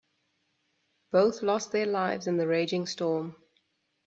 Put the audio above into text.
Both lost their lives in the raging storm.